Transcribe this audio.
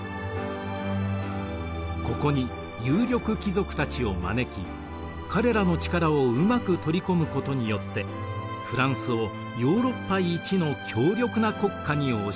ここに有力貴族たちを招き彼らの力をうまく取り込むことによってフランスをヨーロッパいちの強力な国家に押し上げたのです。